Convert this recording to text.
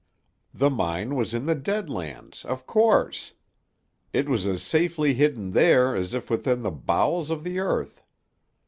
The mine was in the Dead Lands, of course. It was as safely hidden there as if within the bowels of the earth.